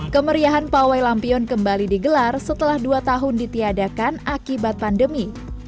kemeriahan pawai lampion kembali digelar setelah dua tahun ditiadakan akibat pandemi